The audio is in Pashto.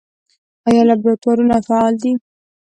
آیا لابراتوارونه فعال دي؟